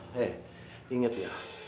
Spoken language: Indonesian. hei ingat ya